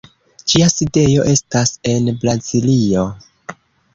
Ĝia sidejo estas en Braziljo.